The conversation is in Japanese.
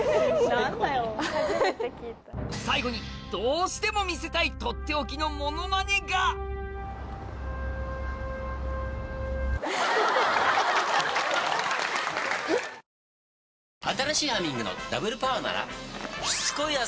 最後にどうしても見せたいとっておきのモノマネが磧孱味腺唯庁腺咤函。